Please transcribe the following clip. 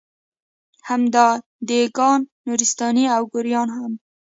هم دېګان، نورستاني او ګوریان هم